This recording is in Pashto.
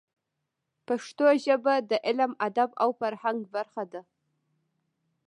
پښتو ژبه د علم، ادب او فرهنګ برخه ده.